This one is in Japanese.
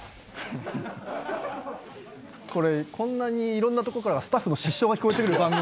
これこんなにいろんなとこからスタッフの失笑が聞こえてくる番組。